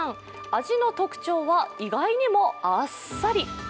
味の特徴は意外にも、あっさり。